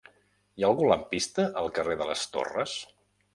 Hi ha algun lampista al carrer de les Torres?